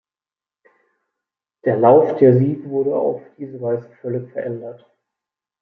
Der Lauf der Sieg wurde auf diese Weise völlig verändert.